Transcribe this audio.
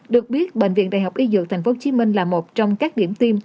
được biết bệnh viện đại học y dược tp hcm là một trong các điểm tiêm